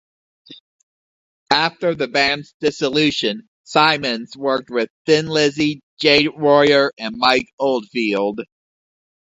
After the band's dissolution, Simonds worked with Thin Lizzy, Jade Warrior, and Mike Oldfield.